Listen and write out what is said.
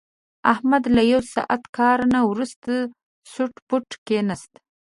احمد له یو ساعت کار نه ورسته سوټ بوټ کېناست.